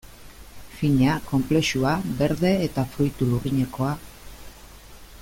Fina, konplexua, berde eta fruitu lurrinekoa...